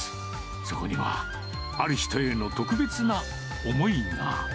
そこには、ある人への特別な思いが。